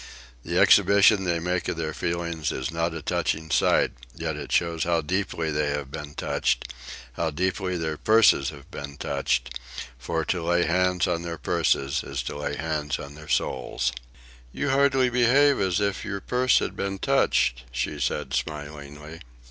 The exhibition they make of their feelings is not a touching sight, yet it shows how deeply they have been touched, how deeply their purses have been touched, for to lay hands on their purses is to lay hands on their souls." "'You hardly behave as if your purse had been touched," she said, smilingly.